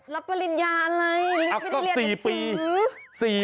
รับปริญญาอะไรไม่ได้เรียนหนังสือ